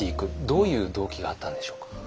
どういう動機があったんでしょうか？